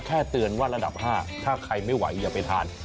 เตือนว่าระดับ๕ถ้าใครไม่ไหวอย่าไปทาน